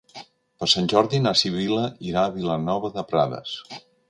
Per Sant Jordi na Sibil·la irà a Vilanova de Prades.